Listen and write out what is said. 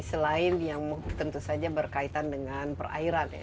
selain yang tentu saja berkaitan dengan perairan ya